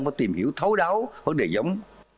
không có tìm hiểu thấu đáo vấn đề giống